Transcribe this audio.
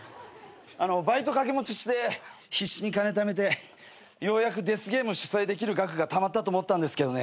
バイト掛け持ちして必死に金ためてようやくデスゲーム主催できる額がたまったと思ったんですけどね。